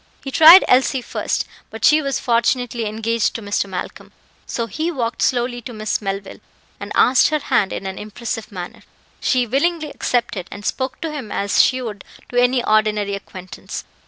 He tried Elsie first, but she was fortunately engaged to Mr. Malcolm, so he walked slowly to Miss Melville, and asked her hand in an impressive manner. She willingly accepted, and spoke to him as she would to any ordinary acquaintance.